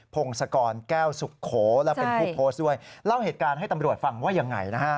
เป็นคุณโพสต์ด้วยเล่าเหตุการณ์ให้ตำรวจฟังว่ายังไงนะฮะ